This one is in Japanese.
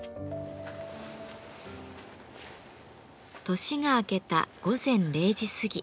年が明けた午前０時過ぎ。